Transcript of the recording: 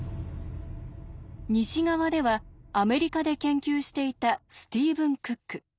西側ではアメリカで研究していたスティーブン・クック。